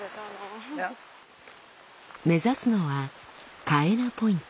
目指すのはカエナ・ポイント。